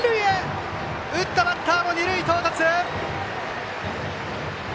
打ったバッターも二塁到達！